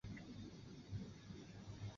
后人多将姓氏改为司姓。